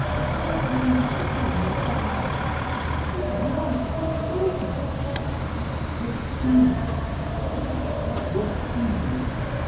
'I am the sun of the house!' It was inimitable!" " Your feelings; he would have your feelings!